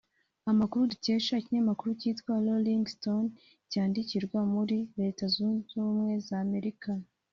Amakuru dukesha ikinyamakuru kitwa Rolling stone cyandikirwa muri Leta Zunze Ubumwe z’Amerika